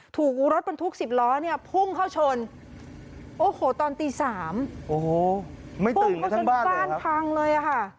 ถูกรถบรรทุก๑๐ล้อเนี่ยพุ่งเข้าชนโอ้โหตอนตี๓พุ่งเข้าชนบ้านพังเลยค่ะ